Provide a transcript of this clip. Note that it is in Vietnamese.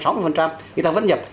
tám mươi sáu mươi người ta vẫn nhập